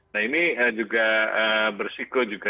nah ini juga bersiko juga